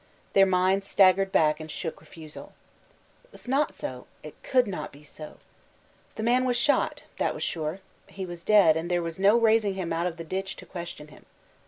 Their minds staggered back and shook refusal. It was not so ; it could not be so. The man was shot, — that was sure. He was dead, and there was no raising him out of the ditch to question him.